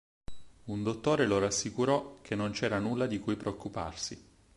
Un dottore lo rassicurò che non c'era nulla di cui preoccuparsi.